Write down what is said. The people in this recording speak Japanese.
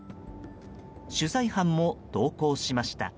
取材班も同行しました。